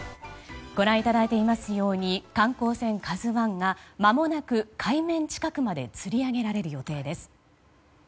ご覧いただいていますように観光船「ＫＡＺＵ１」がまもなく海面近くまでつり上げられる予定です。